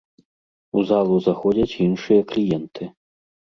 У залу заходзяць іншыя кліенты.